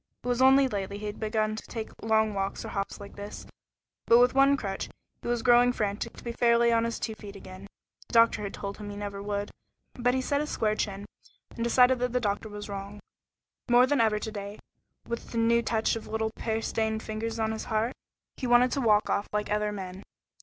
It was only lately he had begun to take long walks or hops like this, with but one crutch, but he was growing frantic to be fairly on his two feet again. The doctor had told him he never would be, but he set his square chin, and decided that the doctor was wrong. More than ever to day, with the new touch of little pear stained fingers on his heart, he wanted to walk off like other men.